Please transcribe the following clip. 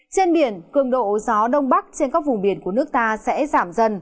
trên biển cường độ gió đông bắc trên các vùng biển của nước ta sẽ giảm dần